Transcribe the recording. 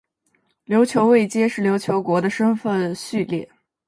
琉球位阶是琉球国的身分序列。